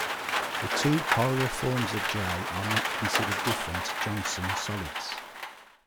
The two chiral forms of "J" are not considered different Johnson solids.